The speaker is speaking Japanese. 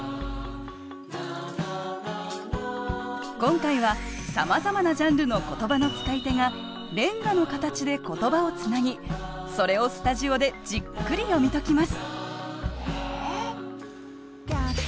今回はさまざまなジャンルの言葉の使い手が連歌の形で言葉をつなぎそれをスタジオでじっくり読み解きます。